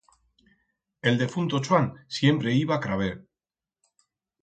El defunto Chuan siempre iba craber.